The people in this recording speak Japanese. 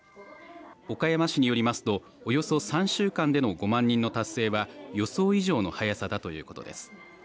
岡山市によりますと、およそ３週間での５万人の達成は予想以上の速さだということです。